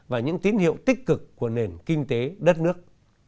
và những tín hiệu tích cực của nền kinh tế đất nước